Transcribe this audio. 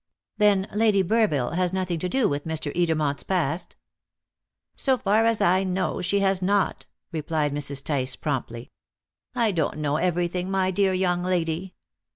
"Then, Lady Burville has nothing to do with Mr. Edermont's past?" "So far as I know she has not," replied Mrs. Tice promptly. "I don't know everything, my dear young lady."